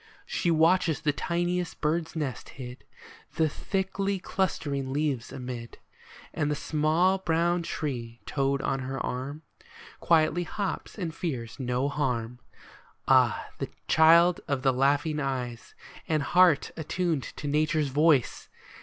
She watches the tiniest bird's nest hid The thickly clustering leaves amid ; And the small brown tree toad on her arm Quietly hops, and fears no harm. Ah, child of the laughing eyes, and heart Attuned to Nature's voice